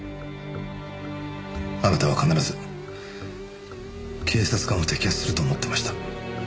あなたは必ず警察官を摘発すると思ってました。